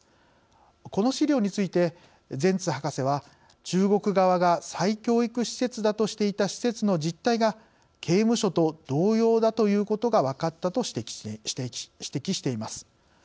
この資料について、ゼンツ博士は中国側が再教育施設だとしていた施設の実態が、刑務所と同様だということが分かったと指摘しています。